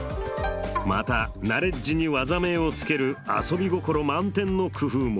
またナレッジに技名をつける遊び心満点の工夫も。